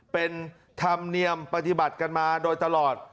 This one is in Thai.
เป็นธรรมเนียมปฏิบัติกันมาโดยตลอด